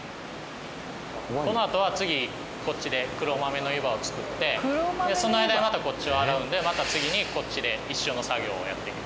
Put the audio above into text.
このあとは次こっちでその間にまたこっちを洗うのでまた次にこっちで一緒の作業をやっていきます。